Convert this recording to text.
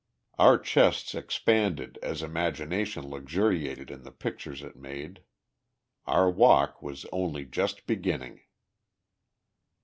Our chests expanded as imagination luxuriated in the pictures it made. Our walk was only just beginning.